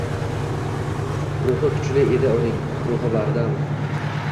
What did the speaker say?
Ruhi kuchli edi uning, ruhi bardam.